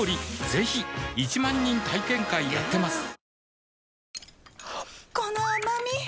ぜひ１万人体験会やってますはぁ。